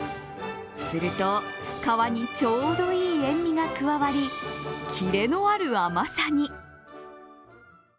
すると、皮にちょうどいい塩みが加わり、キレのある甘さに。